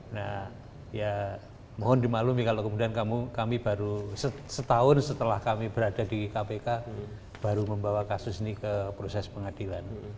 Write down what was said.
nah ya mohon dimaklumi kalau kemudian kami baru setahun setelah kami berada di kpk baru membawa kasus ini ke proses pengadilan